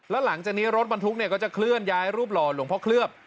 แล้วหลังจากนี้รถบรรทุกก็จะเคลื่อนย้ายรูปหล่อหลวงพ่อเคลือบ